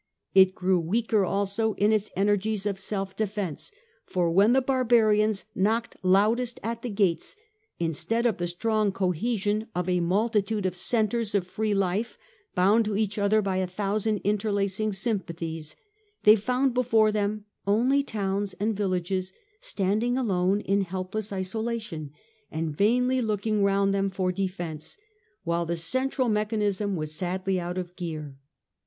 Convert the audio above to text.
It grew weaker also in its energies of self defence, for when the bar barians knocked loudest at the gates, instead of the strong cohesion of a multitude of centres of free life bound to each other by a thousand interlacing sym pathies, they found before them only towns and villages standing alone in helpless isolation, and vainly looking round them for defence, while the central mechanism was sadly out of gear.